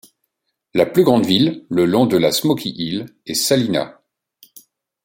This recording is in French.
La plus grande ville, le long de la Smoky Hill est Salina.